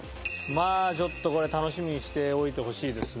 まあちょっとこれは楽しみにしておいてほしいですね。